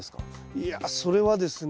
いやそれはですね